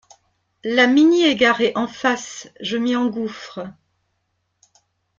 La Mini est garée en face, je m’y engouffre.